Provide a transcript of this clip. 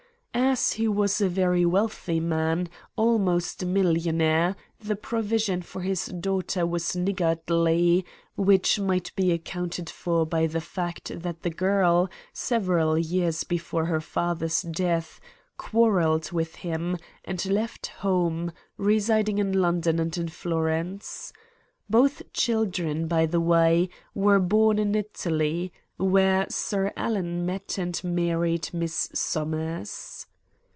As he was a very wealthy man, almost a millionaire, the provision for his daughter was niggardly, which might be accounted for by the fact that the girl, several years before her father's death, quarrelled with him and left home, residing in London and in Florence. Both children, by the way, were born in Italy, where Sir Alan met and married Miss Somers.